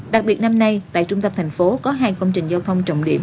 đặc biệt năm nay tại trung tâm thành phố có hai công trình giao thông trọng điểm